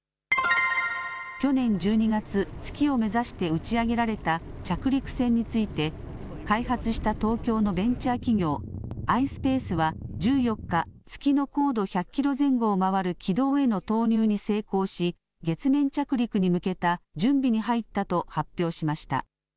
去年１２月、月を目指して打ち上げられた着陸船について、開発した東京のベンチャー企業、ｉｓｐａｃｅは１４日、月の高度１００キロ前後を回る軌道への投入に成功し、月面着陸に向けた準備に入ったと発表しました。